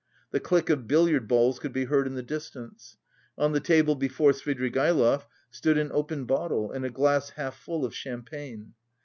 The click of billiard balls could be heard in the distance. On the table before Svidrigaïlov stood an open bottle and a glass half full of champagne.